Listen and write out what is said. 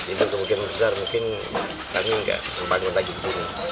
itu mungkin besar mungkin kami gak bangun lagi di sini